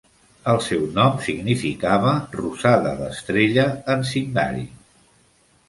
El seu nom significava "rosada d'estrella" en síndarin.